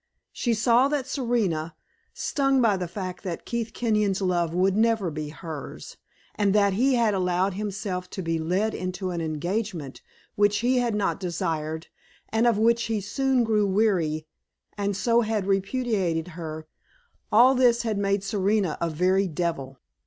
She saw that Serena stung by the fact that Keith Kenyon's love would never be hers, and that he had allowed himself to be led into an engagement which he had not desired, and of which he soon grew weary, and so had repudiated her all this had made Serena a very devil.